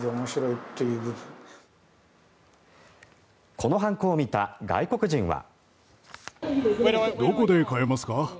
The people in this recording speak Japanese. この判子を見た外国人は。